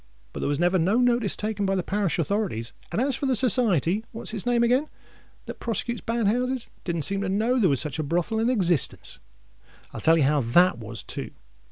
But there was never no notice taken by the parish authorities; and as for the Society—what's its name again?—that prosecutes bad houses, it didn't seem to know there was such a brothel in existence. And I'll tell you how that was, too.